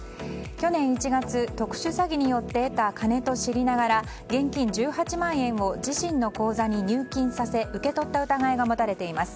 去年１月、特殊詐欺によって得た金と知りながら現金１８万円を自身の口座に入金させ受け取った疑いが持たれています。